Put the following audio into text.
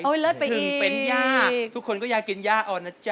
ถึงเป็นย่าทุกคนก็อยากกินย่าอ่อนนะจ๊